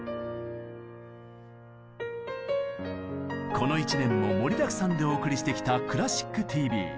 この１年も盛りだくさんでお送りしてきた「クラシックＴＶ」。